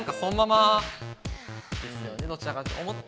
どちらかというと。